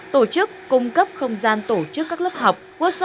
tổ chức cung cấp không gian tổ chức các lớp học